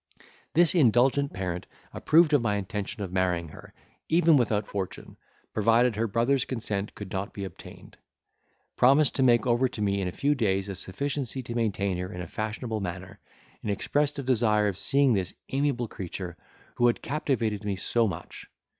This indulgent parent approved of my intention of marrying her, even without fortune, provided her brother's consent could not be obtained; promised to make over to me in a few days a sufficiency to maintain her in a fashionable manner and expressed a desire of seeing this amiable creature, who had captivated me so much.